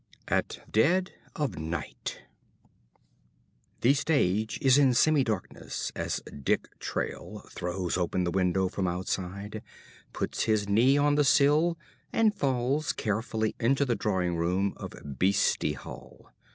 "AT DEAD OF NIGHT" The stage is in semi darkness as Dick Trayle _throws open the window from outside, puts his knee on the sill, and falls carefully into the drawing room of Beeste Hall.